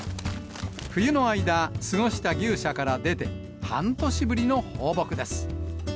冬の間過ごした牛舎から出て、半年ぶりの放牧です。